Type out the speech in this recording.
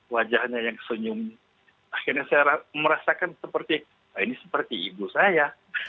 wajahnya yang senyum akhirnya saya merasakan seperti ini seperti ibu saya